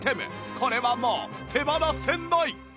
これはもう手放せない！